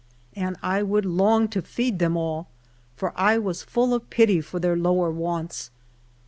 And I would long to feed them all, for I was full of pity for their lower wants.